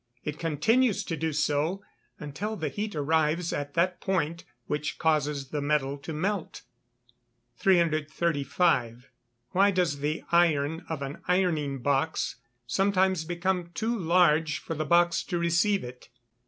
It continues to do so, until the heat arrives at that point which causes the metal to melt. 335. _Why does the iron of an ironing box sometimes become too large for the box to receive it?